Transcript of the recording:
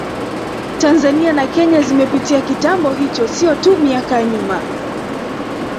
Tanzania na Kenya zimepitia kitambo hicho sio tu miaka ya nyuma